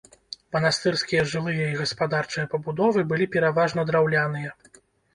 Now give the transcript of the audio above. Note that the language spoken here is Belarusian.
Манастырскія жылыя і гаспадарчыя пабудовы былі пераважна драўляныя.